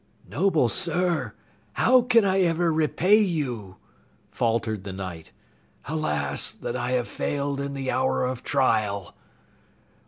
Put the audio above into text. "Noble Sir, how can I ever repay you?" faltered the Knight. "Alas, that I have failed in the hour of trial!"